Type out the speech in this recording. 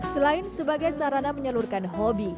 selain sebagai sarana menyalurkan hobi